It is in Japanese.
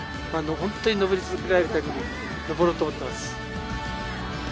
ホントに登り続けられるかぎり登ろうと思ってます